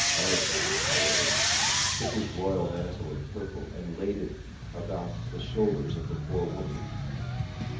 Eliphaz, however, took his royal mantle of purple, and laid it about the shoulders of the poor woman.